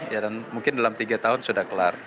ya dan mungkin dalam tiga tahun sudah kelar